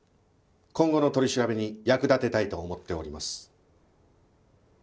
今後の取り調べに役立てたいと思っております。